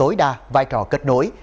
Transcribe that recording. đối đa vai trò kết nối